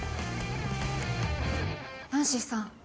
ナンシーさん。